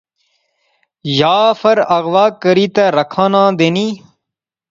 یا فیر اغوا کری تے رکھا ناں دینی